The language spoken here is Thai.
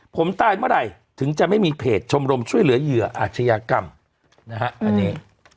ผมตายเมื่อไหร่ถึงจะไม่มีเพจชมรมช่วยเหลือเหยื่ออาชญากรรมนะฮะอันนี้